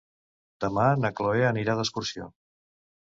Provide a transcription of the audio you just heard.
Demà na Chloé anirà d'excursió.